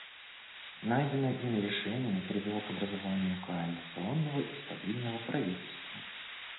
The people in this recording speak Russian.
Найденное ими решение привело к образованию коалиционного и стабильного правительства.